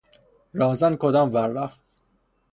راهزن کدام ور رفت؟